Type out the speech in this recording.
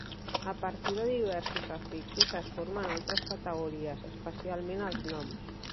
A partir de diversos afixos es formen altres categories, especialment els noms.